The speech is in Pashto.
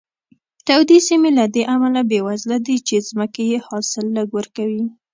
تودې سیمې له دې امله بېوزله دي چې ځمکې یې حاصل لږ ورکوي.